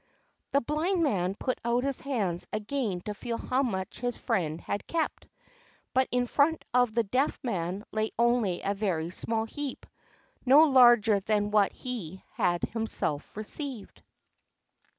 The Blind Man put out his hands again to feel how much his friend had kept; but in front of the Deaf Man lay only a very small heap, no larger than what he had himself received.